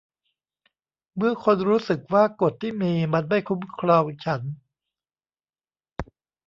เมื่อคนรู้สึกว่ากฎที่มีมันไม่คุ้มครองฉัน